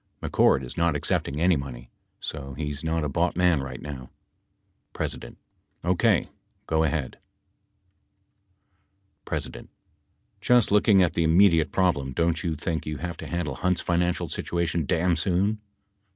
McCord is not accepting any money. So he is not a bought man right now. P. OK. Go ahead, [pp. 194 95] P. Just looking at the immediate problem, don't you think you have to handle Hunt's financial situation damn soon